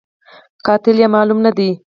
قاتل یې معلوم نه دی